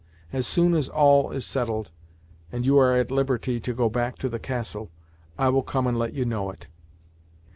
As soon as all is settled, and you are at liberty to go back to the castle, I will come and let you know it."